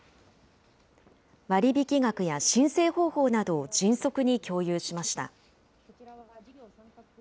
割引額や申請方法などを迅速に共有しました。